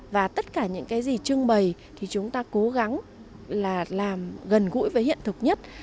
và tất cả những cái gì trưng bày thì chúng ta cố gắng là làm gần gũi với hiện thực nhất